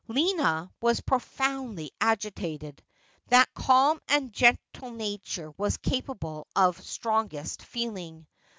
Lina was profoundly agitated. That calm and gentle nature was capable of strongest feeling.